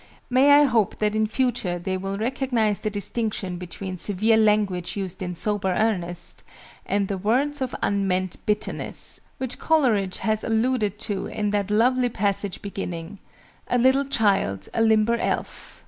May I hope that in future they will recognise the distinction between severe language used in sober earnest, and the "words of unmeant bitterness," which Coleridge has alluded to in that lovely passage beginning "A little child, a limber elf"?